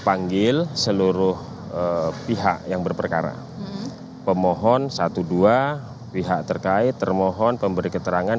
panggil seluruh pihak yang berperkara pemohon satu dua pihak terkait termohon pemberi keterangan